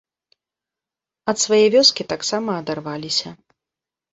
Ад свае вёскі таксама адарваліся.